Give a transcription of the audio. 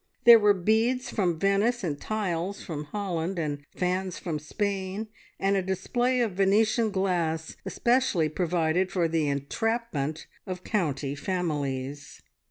There were beads from Venice, and tiles from Holland, and fans from Spain, and a display of Venetian glass especially provided for the entrapment of county families.